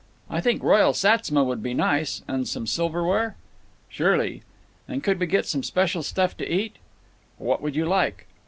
"I think Royal Sats'ma would be nice. And some silverware?" "Surely." "And could we get some special stuff to eat?" "What would you like?"